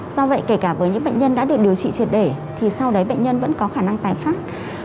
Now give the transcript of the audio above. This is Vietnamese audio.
do vậy kể cả với những bệnh nhân đã được điều trị triệt để thì sau đấy bệnh nhân vẫn có khả năng tái phát